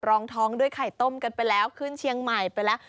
รองท้องด้วยไข่ต้มกันไปแล้วขึ้นเชียงใหม่ไปแล้ว